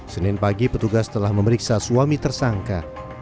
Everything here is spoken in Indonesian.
senin pagi petugas telah memeriksa suami tersangka